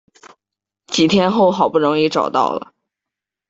几天后好不容易找到了